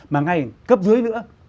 mà ngay cấp dưới nữa